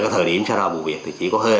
thời điểm trao ra vụ việc thì chỉ có hơi